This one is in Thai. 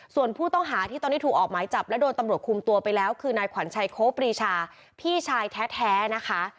ส่วนผู้ต้องหาที่ตอนนี้ถูกออกหมายจับและโดนตำรวจคุมตัวไปแล้วคือนายขวัญชัยโค้ปรีชาพี่ชายแท้นะคะ